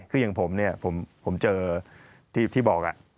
คืออย่างผมเนี่ยผมเจอที่บอก